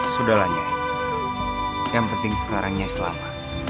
sudahlah nyai yang penting sekarang nyai selamat